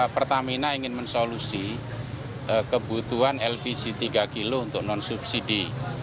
pertamina ingin mensolusi kebutuhan lpg tiga kg untuk non subsidi